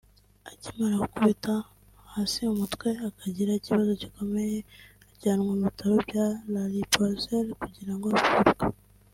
Akimara gukubita hasi umutwe akagira ikibazo gikomeye yahise ajyanwa mu bitaro bya Lariboisière kugira ngo avurwe